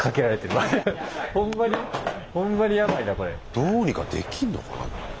どうにかできんのかな。